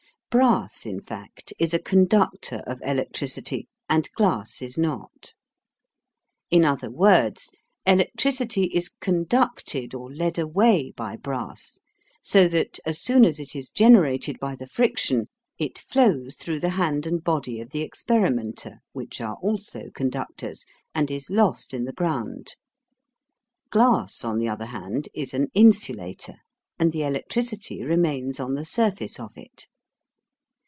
Brass, in fact, is a conductor of electricity and glass is not. In other words, electricity is conducted or led away by brass, so that, as soon as it is generated by the friction, it flows through the hand and body of the experimenter, which are also conductors, and is lost in the ground. Glass on the other hand, is an INSULATOR, and the electricity remains on the surface of it.